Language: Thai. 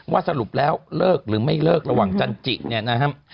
สรุปแล้วเลิกหรือไม่เลิกระหว่างจันจิเนี่ยนะครับ